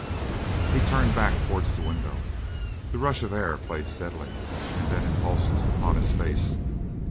He turned back towards the window. The rush of air played steadily, and then in pulses, upon his face.